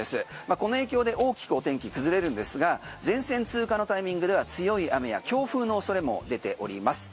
この影響で大きくお天気崩れるんですが前線通過のタイミングでは強い雨や強風の恐れも出ております。